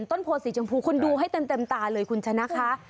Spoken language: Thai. ต้นโพสีชมพูคุณดูให้เต็มตาเลยคุณชนะค่ะ